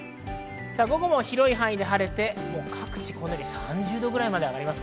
午後も広い範囲で晴れて各地３０度ぐらいまで上がります。